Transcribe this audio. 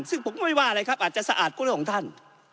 ซึ่งผมก็ไม่ว่าอะไรครับอาจจะสะอาดก็เรื่องของท่าน